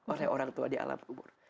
oleh orang tua di alam kubur